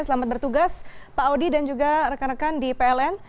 selamat bertugas pak audi dan juga rekan rekan di pln